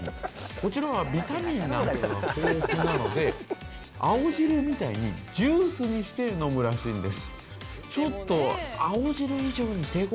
こちらはビタミンなどが豊富なので青汁みたいにジュースにして飲むらしいんです。